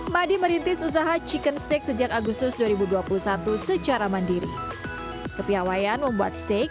madi merintis usaha chicken steak sejak agustus dua ribu dua puluh satu secara mandiri kepiawaian membuat steak